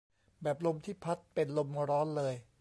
แบบลมที่พัดเป็นลมร้อนเลย